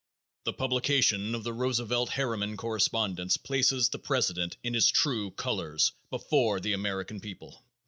The publication of the Roosevelt Harriman correspondence places the president in his true colors before the American people.